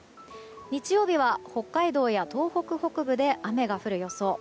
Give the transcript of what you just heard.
日曜日は北海道や東北北部で雨が降る予想。